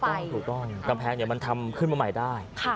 ถูกต้องถูกต้องกำแพงเนี่ยมันทำขึ้นมาใหม่ได้ค่ะ